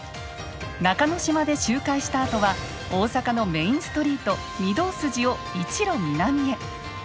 中之島で周回したあとは大阪のメインストリート御堂筋を一路南へ。